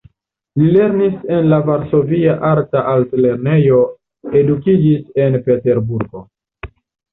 Li lernis en la Varsovia Arta Altlernejo, edukiĝis en Peterburgo.